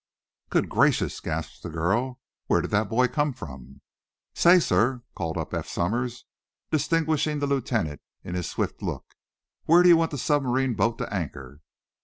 "Good gracious!" gasped the girl. "Where did that boy come from?" "Say, sir," called up Eph Somers, distinguishing the lieutenant in his swift look, "where do you want the submarine boat to anchor?"